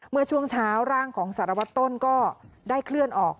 เมื่อช่วงเช้าร่างของสารวัตรต้นก็ได้เคลื่อนออก